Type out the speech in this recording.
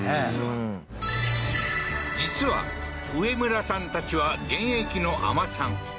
うん実は上村さんたちは現役の海女さん